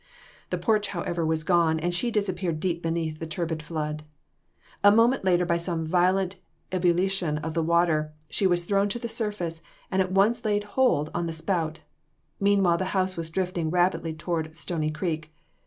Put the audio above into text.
The porch, however, was gone, and she disappeared deep beneath the turbid flood. A moment later, by some violent ebullition of the water, she was thrown to the surface, and at once laid hold on the spout. Meanwhile, the house was drifting rapidly toward Stony Creek.